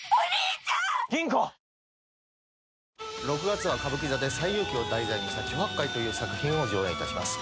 ６月は歌舞伎座で『西遊記』を題材にした『猪八戒』という作品を上演いたします。